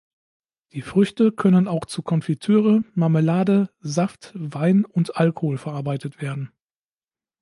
Die Früchte können auch zu Konfitüre, Marmelade, Saft, Wein und Alkohol verarbeitet werden.